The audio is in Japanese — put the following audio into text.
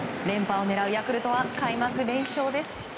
連覇を狙うヤクルトは開幕連勝です。